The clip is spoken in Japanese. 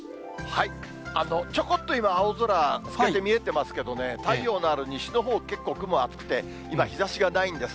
ちょこっと今、青空、透けて見えてますけどね、太陽のある西のほう、結構雲厚くて、今、日ざしがないんです。